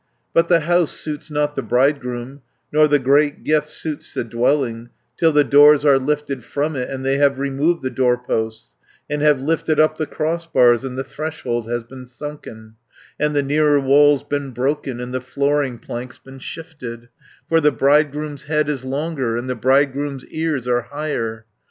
"But the house suits not the bridegroom, Nor the great gift suits the dwelling, Till the doors are lifted from it, And they have removed the doorposts, 130 And have lifted up the crossbars, And the threshold has been sunken, And the nearer walls been broken, And the flooring planks been shifted, For the bridegroom's head is longer, And the bridegroom's ears are higher.